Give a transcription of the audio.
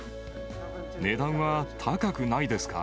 値段は高くないですか。